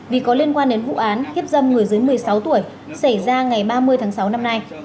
vì có liên quan đến vụ án hiếp dâm người dưới một mươi sáu tuổi xảy ra ngày ba mươi tháng sáu năm nay